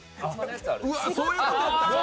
うわ、そういうことやった